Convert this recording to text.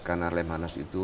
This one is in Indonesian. karena lemhanas itu